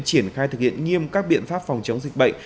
triển khai thực hiện nghiêm các biện pháp phòng chống dịch bệnh